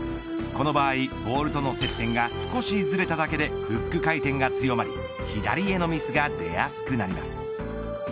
この場合、ボールとの接点が少しずれただけでフック回転が強まり左へのミスが出やすくなります。